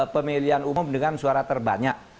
pemilihan umum dengan suara terbanyak